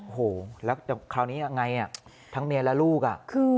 โอ้โหแล้วคราวนี้ยังไงทั้งเมียและลูกอ่ะ